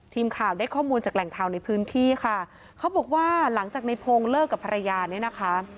ทีมข่าวได้ข้อมูลจากแหล่งข่าวในพื้นที่ค่ะเขาบอกว่าหลังจากในพงศ์เลิกกับภรรยาเนี่ยนะคะ